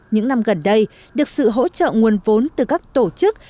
những năm gần đây được sự hỗ trợ nguồn vốn từ các tổ chức